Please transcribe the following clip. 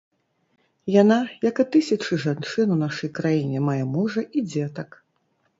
Яна, як і тысячы жанчын у нашай краіне, мае мужа і дзетак.